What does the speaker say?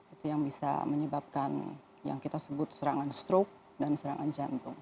itu yang bisa menyebabkan yang kita sebut serangan stroke dan serangan jantung